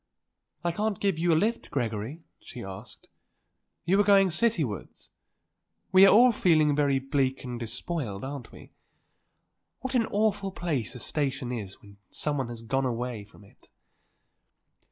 "I can't give you a lift, Gregory?" she asked. "You are going citywards? We are all feeling very bleak and despoiled, aren't we? What an awful place a station is when someone has gone away from it."